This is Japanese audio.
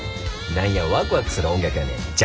何やワクワクする音楽やねんジャズは。